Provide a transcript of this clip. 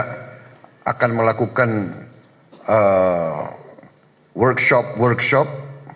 kami juga akan melakukan workshop workshop